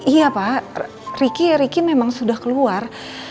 iya pak riki riki memang sudah keluar